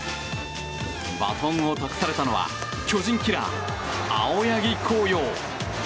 バトンを託されたのは巨人キラー青柳晃洋。